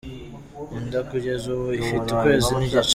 Inda kugeza ubu ifite ukwezi n’igice.